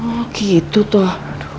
oh gitu toh